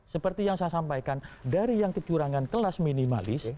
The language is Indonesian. seperti yang saya sampaikan dari yang kecurangan kelas minimalis